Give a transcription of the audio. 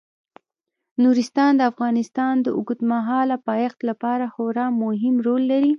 نورستان د افغانستان د اوږدمهاله پایښت لپاره خورا مهم رول لري.